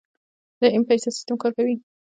د ایم پیسه سیستم کار کوي؟